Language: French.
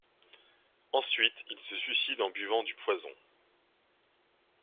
Ensuite, il se suicide en buvant du poison.